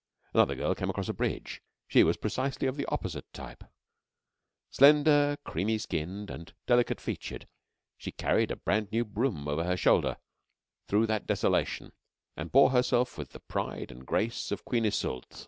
Another girl came across a bridge. She was precisely of the opposite type, slender, creamy skinned, and delicate featured. She carried a brand new broom over her shoulder through that desolation, and bore herself with the pride and grace of Queen Iseult.